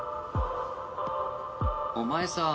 お前さん